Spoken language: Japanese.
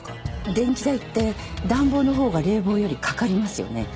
電気代って暖房の方が冷房より掛かりますよね。